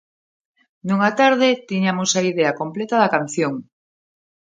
Nunha tarde tiñamos a idea completa da canción.